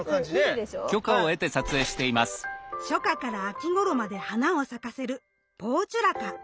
初夏から秋頃まで花を咲かせるポーチュラカ。